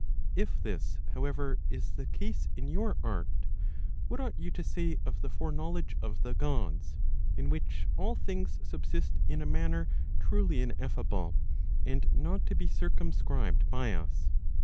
If this, however, is the case in your art, what ought you to say of the foreknowledge of the Gods, in which all things subsist in a manner truly ineffable, and not to be circumscribed by us